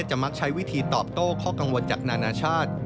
มักใช้วิธีตอบโต้ข้อกังวลจากนานาชาติ